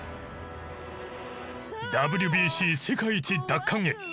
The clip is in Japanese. ＷＢＣ世界一奪還へ。